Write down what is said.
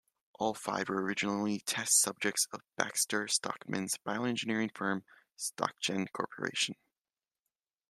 All five were originally test subjects at Baxter Stockman's bioengineering firm, Stockgen Corporation.